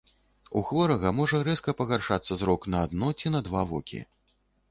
У хворага можа рэзка пагаршацца зрок на адно ці на два вокі.